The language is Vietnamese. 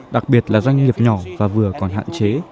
đặc biệt là doanh nghiệp nhỏ và vừa còn hạn chế